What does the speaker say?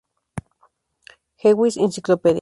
Jewish Encyclopedia.